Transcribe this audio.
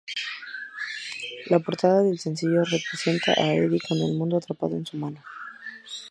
La portada del sencillo representa a Eddie con el mundo atrapado en su mano.